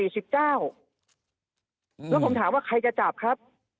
แล้วผมถามว่าใครจะจับครับ